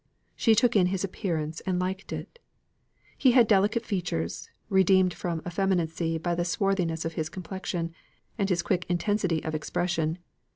She took in his appearance and liked it. He had delicate features, redeemed from effeminacy by the swarthiness of his complexion, and his quick intensity of expression.